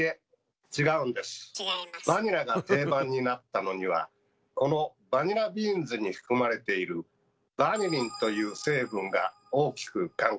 バニラが定番になったのにはこのバニラビーンズに含まれている「バニリン」という成分が大きく関係しているんです。